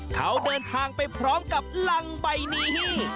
เขาเดินทางไปพร้อมกับรังใบนี้